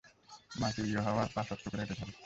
মাটি ইউহাওয়ার পা শক্ত করে এটে ধরে।